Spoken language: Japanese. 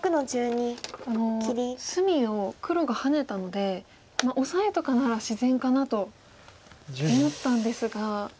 隅を黒がハネたのでオサエとかなら自然かなと思ったんですが。